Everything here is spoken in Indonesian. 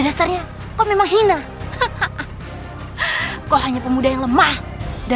dia bisa menangkis ajaran banyumaruta